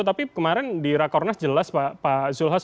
tapi kemarin di rakornas jelas pak zulhas